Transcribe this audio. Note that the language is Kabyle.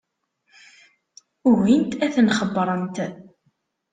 Ugint ad ten-xebbrent.